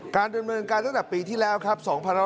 การดำเนินการตั้งแต่ปีที่แล้วครับ